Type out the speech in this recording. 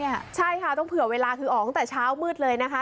ใช่ค่ะต้องเผื่อเวลาคือออกตั้งแต่เช้ามืดเลยนะคะ